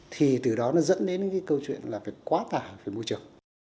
thì từ đó nó dẫn đến cái câu chuyện là phải quá tải về môi trường